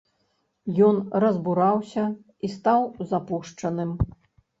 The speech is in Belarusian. Ён разбураўся і стаў запушчаным.